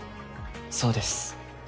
そうです。